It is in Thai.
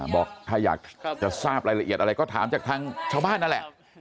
บอกถ้าอยากจะทราบรายละเอียดอะไรก็ถามจากทางชาวบ้านนั่นแหละ